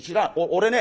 俺ね